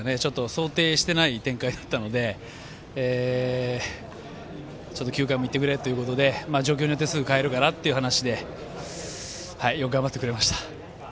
想定してない展開だったのでちょっと９回もいってくれということで状況によってすぐに代えるからという話でよく頑張ってくれました。